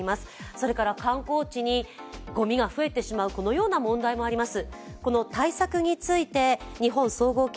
それから観光地にごみが増えてしまうという問題もあります。